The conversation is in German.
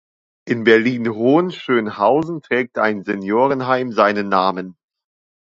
In Berlin-Hohenschönhausen trägt ein Seniorenheim seinen Namen.